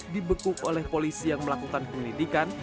dibekuk oleh polisi yang melakukan penyelidikan